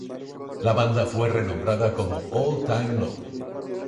La banda fue renombrada como All Time Low.